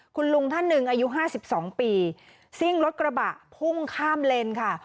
คุณลุงท่านหนึ่งอายุ๕๒ปีซิ่งรถกระบะพุ่งข้ามเลนค่ะ